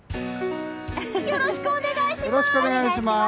よろしくお願いします！